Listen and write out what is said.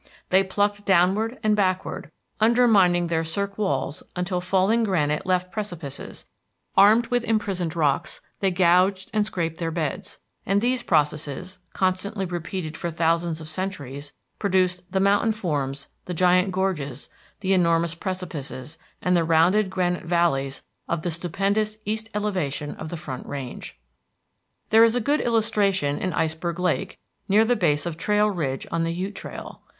They plucked downward and backward, undermining their cirque walls until falling granite left precipices; armed with imprisoned rocks, they gouged and scraped their beds, and these processes, constantly repeated for thousands of centuries, produced the mountain forms, the giant gorges, the enormous precipices, and the rounded granite valleys of the stupendous east elevation of the Front Range. There is a good illustration in Iceberg Lake, near the base of Trail Ridge on the Ute Trail.